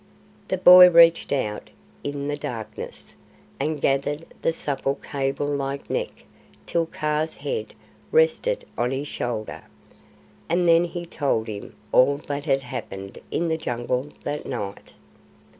The boy reached out in the darkness, and gathered in the supple cable like neck till Kaa's head rested on his shoulder, and then he told him all that had happened in the Jungle that night.